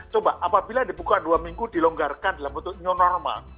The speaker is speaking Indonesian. coba apabila dibuka dua minggu dilonggarkan dalam bentuk new normal